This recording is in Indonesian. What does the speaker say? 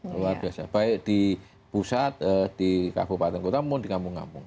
luar biasa baik di pusat di kabupaten kota maupun di kampung kampung